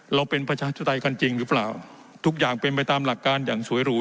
เราเป็นประชาธิปไตยกันจริงหรือเปล่าทุกอย่างเป็นไปตามหลักการอย่างสวยหรู